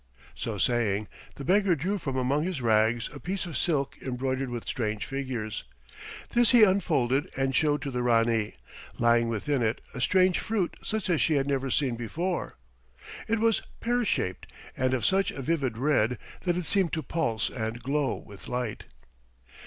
So saying, the beggar drew from among his rags a piece of silk embroidered with strange figures. This he unfolded, and showed to the Ranee, lying within it, a strange fruit such as she had never seen before. It was pear shaped, and of such a vivid red that it seemed to pulse and glow with light.